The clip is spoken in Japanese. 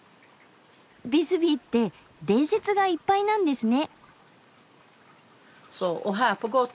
ビスビーって伝説がいっぱいなんですね。